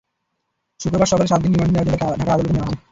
শুক্রবার সকালে সাত দিন রিমান্ডে নেওয়ার জন্য তাঁকে ঢাকার আদালতে নেওয়া হয়।